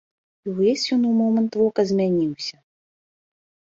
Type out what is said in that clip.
І ўвесь ён у момант вока змяніўся.